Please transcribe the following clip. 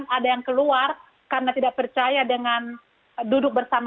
dan ada yang keluar karena tidak percaya dengan duduk bersama